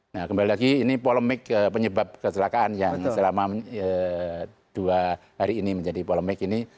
nah kembali lagi ini polemik penyebab kecelakaan yang selama dua hari ini menjadi polemik ini